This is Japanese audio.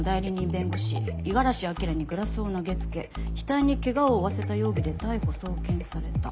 弁護士五十嵐明にグラスを投げつけ額に怪我を負わせた容疑で逮捕送検された」。